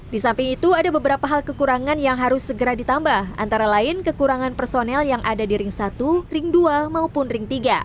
di samping itu ada beberapa hal kekurangan yang harus segera ditambah antara lain kekurangan personel yang ada di ring satu ring dua maupun ring tiga